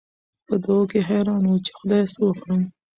په دوو کې حېران وو، چې خدايه څه وکړم؟